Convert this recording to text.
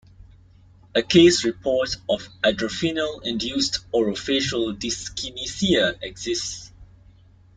A case report of adrafinil-induced orofacial dyskinesia exists.